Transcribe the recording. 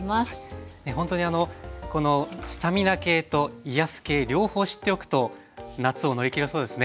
ほんとにあのこのスタミナ系と癒やす系両方知っておくと夏を乗り切れそうですね。